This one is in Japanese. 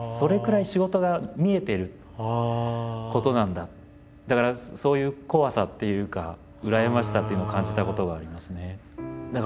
やっぱり子どものだからそういう怖さっていうか羨ましさっていうのを感じたことがありますね。